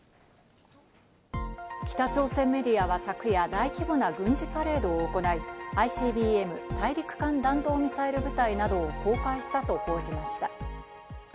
北朝鮮メディアは昨夜、大規模な軍事パレードを行い、ＩＣＢＭ＝大陸間弾道ミサイル部隊などを公開したと報じました。